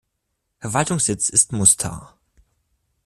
Verwaltungssitz ist Mostar.